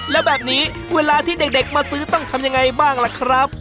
แล้วแบบนี้เวลาที่เด็กมาซื้อต้องทำยังไงบ้างล่ะครับ